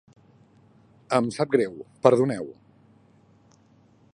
Em sap greu, perdoneu.